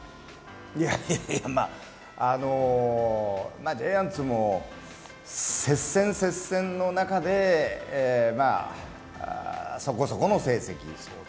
いやいやいや、まあジャイアンツも接戦、接戦の中でそこそこの成績。